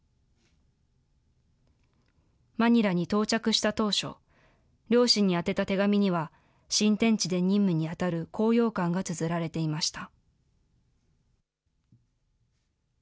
マニラに到着した当初、両親に宛てた手紙には、新天地で任務に当たる高揚感がつづられていました。